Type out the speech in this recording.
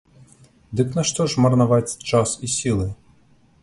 Дык нашто ж марнаваць час і сілы?